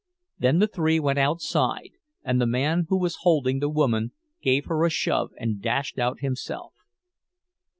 Then the three went outside, and the man who was holding the woman gave her a shove and dashed out himself.